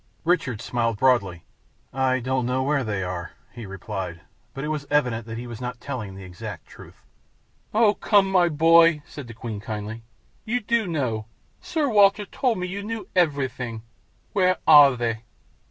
Richard smiled broadly. "I don't know where they are," he replied; but it was evident that he was not telling the exact truth. "Oh, come, my boy," said the Queen, kindly, "you do know. Sir Walter told me you knew everything. Where are they?"